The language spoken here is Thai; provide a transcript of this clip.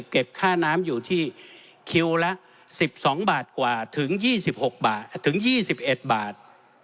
เก็บค่าน้ำอยู่ที่คิวละ๑๒บาทกว่าถึง๒๖บาทถึง๒๑บาท